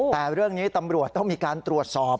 แต่คุณผู้ชมเต็มรวตต้องมีการตรวจสอบ